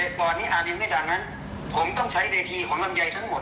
เราก็กั้นค่าตัวว่าลำไยตั้งนั้นเราแบ่งให้น้องนะคะ